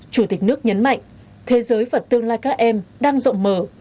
chủ tịch nước nhấn mạnh thế giới và tương lai các em đang rộng mở